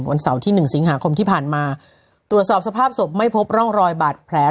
เสาร์ที่หนึ่งสิงหาคมที่ผ่านมาตรวจสอบสภาพศพไม่พบร่องรอยบาดแผล